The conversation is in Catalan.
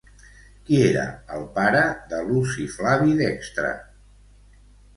Qui era el pare de Luci Flavi Dextre?